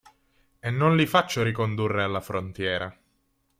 e non li faccio ricondurre alla frontiera